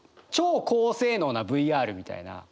超高性能なＶＲみたいな。